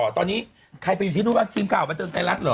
ตอนนี้ใครไปอยู่ที่นู่นบ้างทีมข่าวบันเทิงไทยรัฐเหรอ